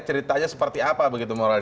ceritanya seperti apa begitu moral